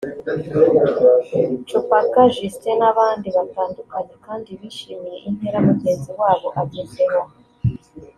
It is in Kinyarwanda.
Cubaka Justin n’abandi batandukanye kandi bishimiye intera mugenzi wabo agezeho